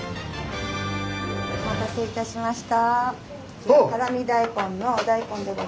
お待たせいたしました。